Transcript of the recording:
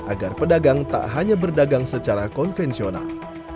agar pedagang tak hanya berdagang secara konvensional